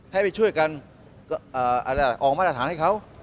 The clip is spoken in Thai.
ให้ไปช่วยกันเอ่ออะไรล่ะออกมาตรฐานให้เขา